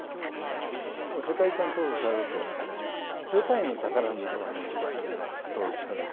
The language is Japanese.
世界遺産登録されると、世界の宝になるわけですよ。